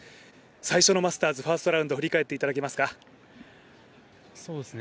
最初のマスターズ、ファーストラウンド振り返っていただけますか？